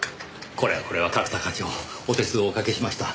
これはこれは角田課長お手数をおかけました。